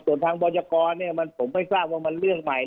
ส่วนทางบรยากรผมไม่ทราบว่ามันเรื่องใหม่